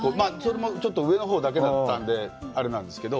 ちょっと上のほうだけだったんで、あれなんですけど。